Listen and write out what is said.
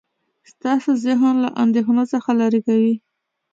ستاسو ذهن له اندیښنو څخه لرې کوي.